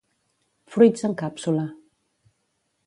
Fruits en càpsula.